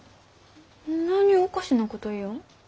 何ゅうおかしなこと言よん？